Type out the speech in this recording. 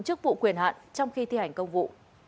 chức vụ quyền hạn trong khi thi hành công vụ